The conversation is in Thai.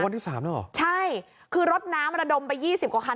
วันที่สามแล้วเหรอใช่คือรถน้ำระดมไปยี่สิบกว่าคัน